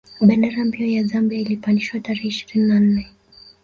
Bendera mpya ya Zambia ilipopandishwa tarehe ishirini na nne